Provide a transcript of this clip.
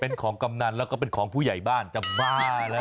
เป็นของกำนันแล้วก็เป็นของผู้ใหญ่บ้านจะบ้าแล้ว